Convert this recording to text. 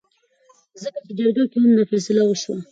ځکه په جرګه کې هم دا فيصله وشوه